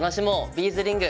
ビーズリング」